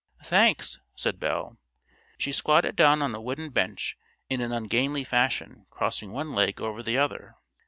"Thanks," said Belle. She squatted down on a wooden bench in an ungainly fashion, crossing one leg over the other.